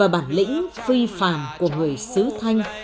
và bản lĩnh phi phàng của người sứ thanh